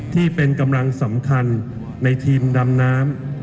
ที่เป็นกำลังสำคัญในทีมดำน้ำ